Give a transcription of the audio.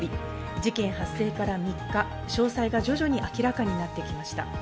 事件発生から３日、詳細が徐々に明らかになってきました。